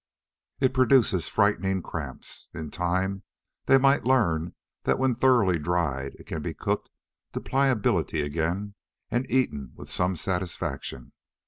It produces frightening cramps. In time they might learn that when thoroughly dried it can be cooked to pliability again and eaten with some satisfaction.